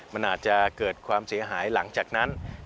มันอาจจะเกิดความเสียหายหลังจากนั้น